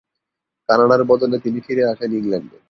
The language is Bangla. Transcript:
কানাডার বদলে তিনি ফিরে আসেন ইংল্যান্ডে।